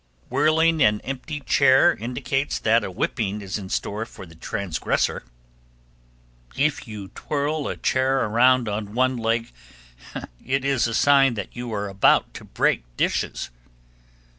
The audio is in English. Whirling an empty chair indicates that a whipping is in store for the transgressor. 1281. If you twirl a chair around on one leg, it is a sign that you are about to break dishes.